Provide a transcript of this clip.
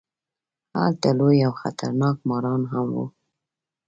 هلته لوی او خطرناک ماران هم وو.